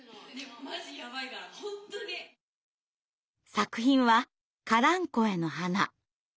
作品は「カランコエの花」。